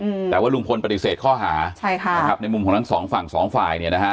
อืมแต่ว่าลุงพลปฏิเสธข้อหาใช่ค่ะนะครับในมุมของทั้งสองฝั่งสองฝ่ายเนี้ยนะฮะ